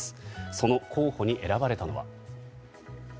その候補に選ばれたのは？